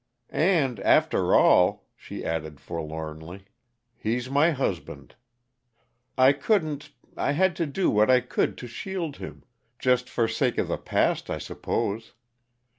"And, after all," she added forlornly, "he's my husband. I couldn't I had to do what I could to shield him just for sake of the past, I suppose.